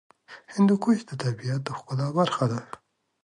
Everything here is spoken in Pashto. هندوکش د طبیعت د ښکلا برخه ده.